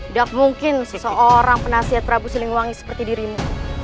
tidak mungkin seseorang penasehat prabu siliwangi seperti dirimu